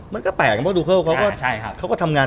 มันกับการบริหารจัดการไง